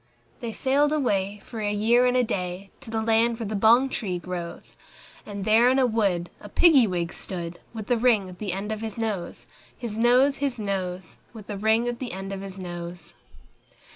They sailed away, for a year and a day, To the land where the bong tree grows; And there in a wood a Piggy wig stood, With a ring at the end of his nose, His nose, His nose, With a ring at the end of his nose.